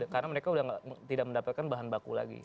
karena mereka sudah tidak mendapatkan bahan baku lagi